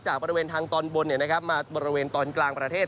บริเวณทางตอนบนมาบริเวณตอนกลางประเทศ